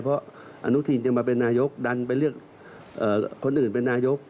เพราะอนุทินยังมาเป็นนายกดันไปเลือกคนอื่นเป็นนายก